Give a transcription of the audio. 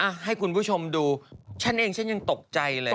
ให้คุณผู้ชมดูฉันเองฉันยังตกใจเลย